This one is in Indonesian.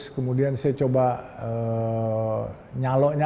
kemudian saya coba menyalak nyalak